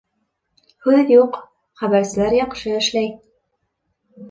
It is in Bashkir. Һүҙ юҡ, хәбәрселәр яҡшы эшләй.